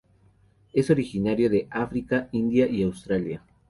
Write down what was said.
Es originario de África, India y Australia.